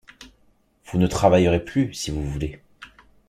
Vous ne travaillerez plus, si vous voulez.